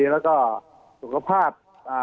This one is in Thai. แล้วก็สุขภาพ